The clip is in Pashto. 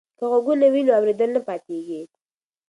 که غوږونه وي نو اوریدل نه پاتیږي.